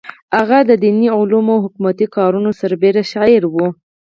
هغه د دیني علومو او حکومتي کارونو سربېره شاعره وه.